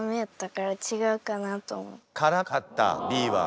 からかったＢは。